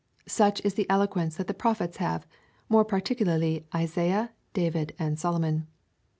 Such is the eloquence that the Prophets have, more particularly Isaiah, David, and Solomon.